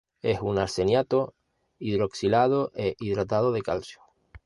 Es un arseniato hidroxilado e hidratado de calcio.